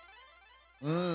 うん。